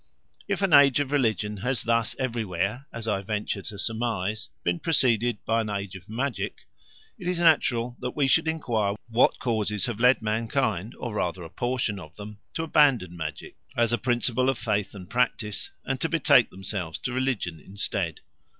If an Age of Religion has thus everywhere, as I venture to surmise, been preceded by an Age of Magic, it is natural that we should enquire what causes have led mankind, or rather a portion of them, to abandon magic as a principle of faith and practice and to betake themselves to religion instead.